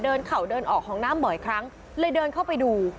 เข่าเดินออกห้องน้ำบ่อยครั้งเลยเดินเข้าไปดู